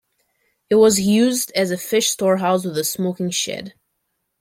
It was used as a fish storehouse with a smoking-shed.